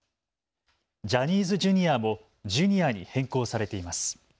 ジャニーズＪｒ．もジュニアに変更されています。